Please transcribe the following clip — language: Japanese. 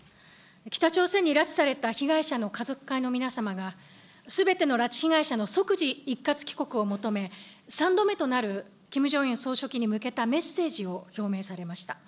北朝鮮に拉致された被害者の家族会の皆様が、すべての拉致被害者の即時一括帰国を求め、３度目となる、キム・ジョンウン総書記に向けたメッセージを表明されました。